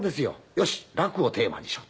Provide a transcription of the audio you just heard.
よし楽をテーマにしようと。